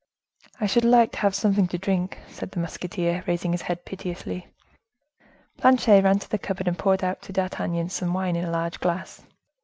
"I should like to have something to drink," said the musketeer, raising his head piteously. Planchet ran to the cupboard, and poured out to D'Artagnan some wine in a large glass.